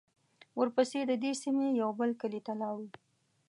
ورپسې د دې سیمې یوه بل کلي ته لاړو.